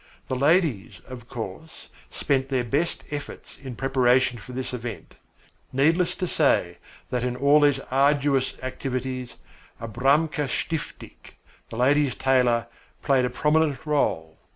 The ladies, of course, spent their best efforts in preparation for this event. Needless to say that in these arduous activities, Abramka Stiftik, the ladies' tailor, played a prominent role.